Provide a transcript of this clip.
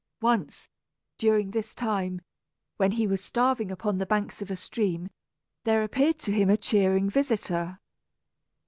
Once, during this time, when he was starving upon the banks of a stream, there appeared to him a cheering visitor.